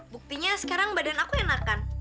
buktinya sekarang badan aku enakan